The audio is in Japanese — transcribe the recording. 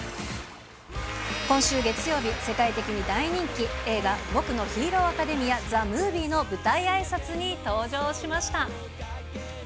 今週月曜日、世界的に大人気、映画、僕のヒーローアカデミアザムービーの舞台あいさつに登場しました。